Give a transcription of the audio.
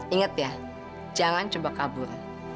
ingat ya jangan coba kabur